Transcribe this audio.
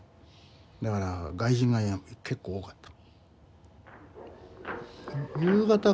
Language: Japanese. だから外人が結構多かった。